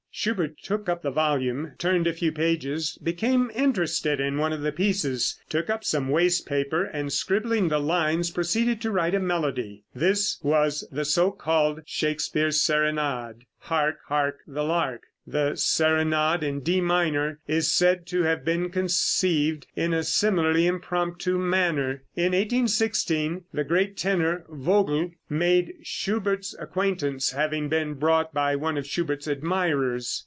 Schubert took up the volume, turned a few pages, became interested in one of the pieces, took up some waste paper, and scribbling the lines proceeded to write a melody. This was the so called "Shakespeare Serenade," "Hark, Hark, the Lark." The "Serenade," in D minor, is said to have been conceived in a similarly impromptu manner. In 1816 the great tenor, Vogl, made Schubert's acquaintance, having been brought by one of Schubert's admirers.